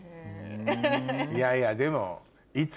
いやいやでも。